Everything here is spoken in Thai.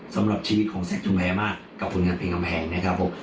สำหรับชีวิตของแสนชุมแพรมากกับผลงานเพลงกำแพงนะครับผม